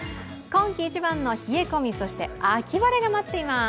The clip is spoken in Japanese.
今季一番の冷え込み、秋晴れが待っています。